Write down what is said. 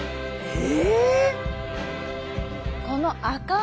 え！